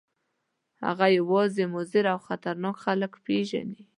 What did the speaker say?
هغه یوازې مضر او خطرناک خلک پېژني.